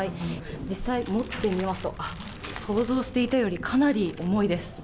実際持ってみますと、想像していたよりかなり重いです。